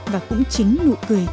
và cũng chỉ là một bức tranh của các em